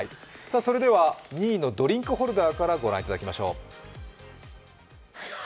それでは、２位のドリンクホルダーからご覧いただきましょう。